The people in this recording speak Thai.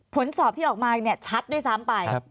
ผลสอบที่ออกมาชัดด้วยซ้ำไป